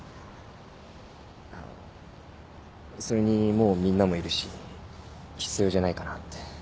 あっそれにもうみんなもいるし必要じゃないかなって。